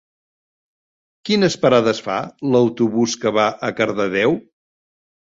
Quines parades fa l'autobús que va a Cardedeu?